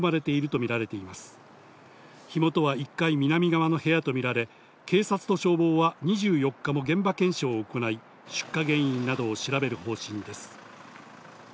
身元は１階南側の部屋とみられ、警察と消防は２４日も現場検証を行い、出火原因などを調べる方針です。